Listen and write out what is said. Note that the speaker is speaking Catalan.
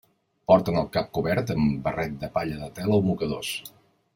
Porten el cap cobert amb barret de palla de tela o mocadors.